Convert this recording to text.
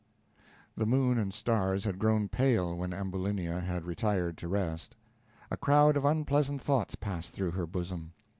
The moon and stars had grown pale when Ambulinia had retired to rest. A crowd of unpleasant thoughts passed through her bosom.